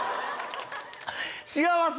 幸せ！